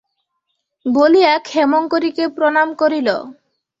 বলিয়া ক্ষেমংকরীকে প্রণাম করিল।